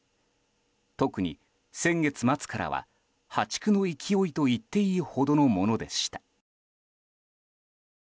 特に先月末からは、破竹の勢いといっていいほどのものでした。